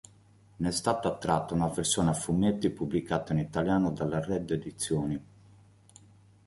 Na è stata tratta una versione a fumetti pubblicata in italiano dalla Red Edizioni.